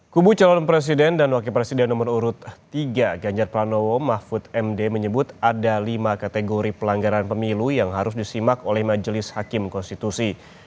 kubu calon presiden dan wakil presiden nomor urut tiga ganjar pranowo mahfud md menyebut ada lima kategori pelanggaran pemilu yang harus disimak oleh majelis hakim konstitusi